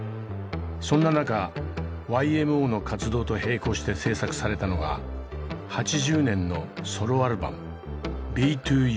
そんな中ＹＭＯの活動と並行して制作されたのが８０年のソロアルバム「Ｂ−２ＵＮＩＴ」です。